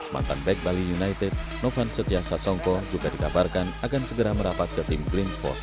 mantan back bali united novan setiasa songko juga digabarkan akan segera merapat ke tim green force